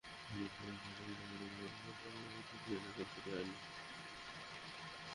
এমন ক্ষয়ক্ষতি হলেও কিয়ুসু দ্বীপে অবস্থিত পারমাণবিক বিদ্যুৎ কেন্দ্রের কোনো ক্ষয়ক্ষতি হয়নি।